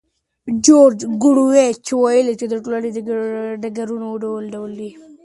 جورج ګوروویچ ویلي چې د ټولنې ډګرونه ډول ډول دي.